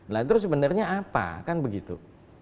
nah itu sebenarnya apa kan begitu